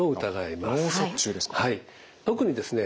特にですね